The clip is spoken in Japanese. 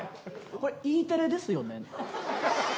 これＥテレですよね？